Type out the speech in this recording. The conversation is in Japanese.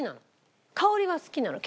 香りは好きなの。